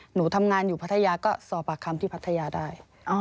หนูทำงานอยู่พัทยาก็สอบปากคำที่พัทยาได้